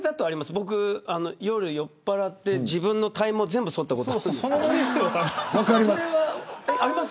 僕、夜酔っぱらって自分の体毛全部そったことあります。